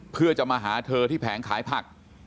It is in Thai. เพื่อจะมาหาเธอที่แผงขายผัก